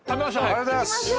ありがとうございます。